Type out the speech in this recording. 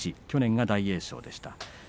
去年、大栄翔でした。